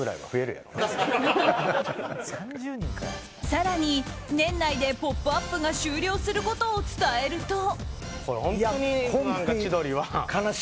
更に年内で「ポップＵＰ！」が終了することを伝えると。